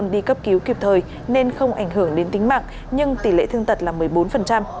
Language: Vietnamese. đi cấp cứu kịp thời nên không ảnh hưởng đến tính mạng nhưng tỷ lệ thương tật là một mươi bốn